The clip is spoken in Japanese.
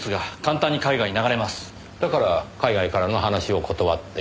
だから海外からの話を断っていた。